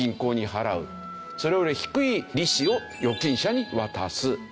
それより低い利子を預金者に渡す。